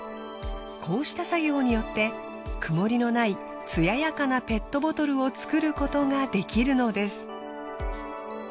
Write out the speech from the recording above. こうした作業によって曇りのないつややかなペットボトルを作ることができるのです。